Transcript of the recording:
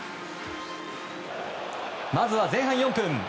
まずは前半４分。